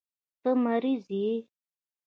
ته مريض يې.